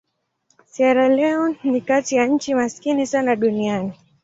Sierra Leone ni kati ya nchi maskini sana duniani.